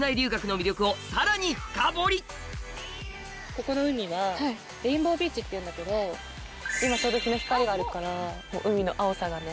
ここからはっていうんだけど今ちょうど日の光があるから海の青さがね。